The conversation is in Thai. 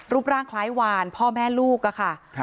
ร่างคล้ายวานพ่อแม่ลูกค่ะ